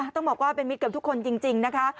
ต้องบอกว่าเป็นมิตรกับทุกคนจริงนะคะ